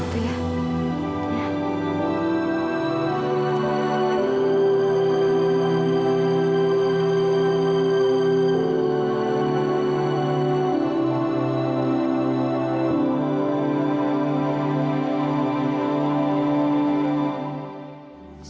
ibu hanya capek